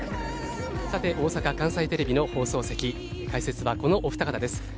大阪・関西テレビの放送席解説はこのお二方です。